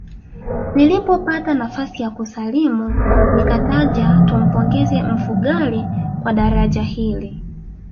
Nilipopata nafasi ya kusalimu nikataja tumpongeze Mfugale kwa daraja hili